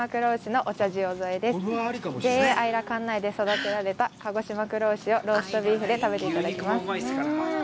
管内で育てられた鹿児島黒牛をローストビーフで食べていただきます。